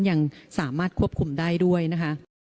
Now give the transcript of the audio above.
ยังสามารถควบคุมได้ด้วยนะคะ